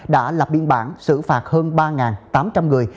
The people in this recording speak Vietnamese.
đã lập biên bản xử phạt hơn ba tám trăm linh người